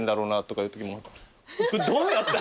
どうやって。